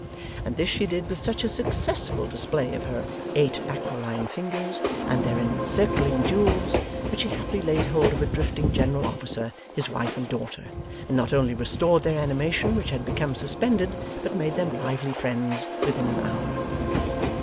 And this she did with such a successful display of her eight aquiline fingers and their encircling jewels, that she happily laid hold of a drifting General Officer, his wife and daughter, and not only restored their animation which had become suspended, but made them lively friends within an hour.